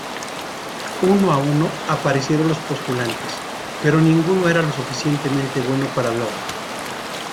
Uno a uno aparecieron los postulantes, pero ninguno era lo suficientemente bueno para Law.